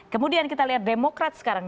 kemudian kita lihat demokrat sekarang